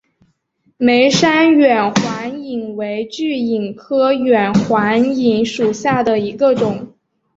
梅山远环蚓为巨蚓科远环蚓属下的一个种。